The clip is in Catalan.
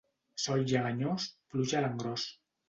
Sol lleganyós, pluja a l'engròs.